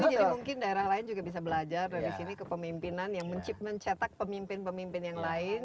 tapi jadi mungkin daerah lain juga bisa belajar dari sini kepemimpinan yang mencetak pemimpin pemimpin yang lain